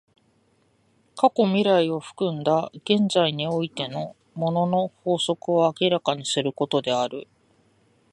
過去未来を包んだ現在においての物の法則を明らかにすることである。